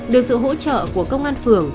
được sự hỗ trợ của công an phường